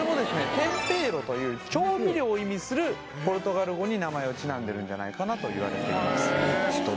テンペーロという調味料を意味するポルトガル語に名前をちなんでるんじゃないかなといわれています